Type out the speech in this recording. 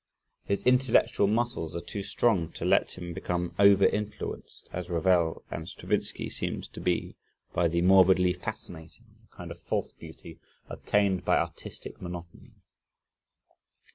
His intellectual muscles are too strong to let him become over influenced, as Ravel and Stravinsky seem to be by the morbidly fascinating a kind of false beauty obtained by artistic monotony.